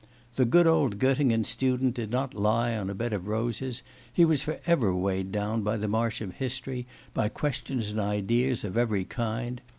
The good old Gottingen student did not lie on a bed of roses; he was for ever weighed down by the march of history, by questions and ideas of every kind.